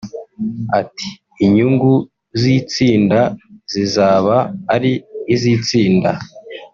Ati "Inyungu z’itsinda zizaba ari iz’itsinda